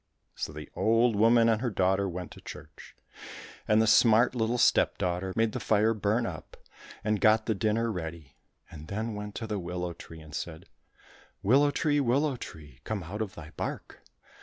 So the old woman and her daughter went to church, and the smart little stepdaughter made the fire burn up, and got the dinner ready, and then went to the willow tree and said, " Willow tree, willow tree, come out of thy bark